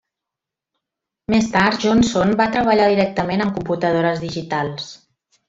Més tard Johnson va treballar directament amb computadores digitals.